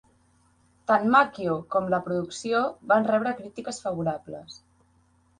Tant Macchio com la producció van rebre crítiques favorables.